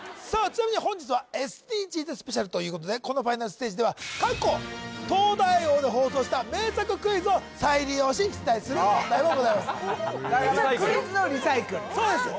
ちなみに本日はＳＤＧｓスペシャルということでこのファイナルステージでは過去「東大王」で放送した名作クイズを再利用し出題する問題もございますだからクイズのリサイクルそうですよ